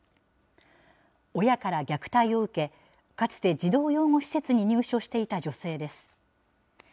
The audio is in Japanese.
親から虐待を受け、かつて児童養護施設に入所していた女性です。